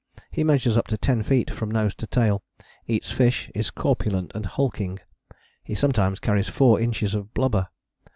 He measures up to 10 feet from nose to tail, eats fish, is corpulent and hulking. He sometimes carries four inches of blubber.